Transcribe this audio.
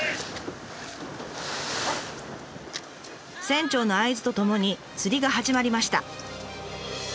船長の合図とともに釣りが始まりました。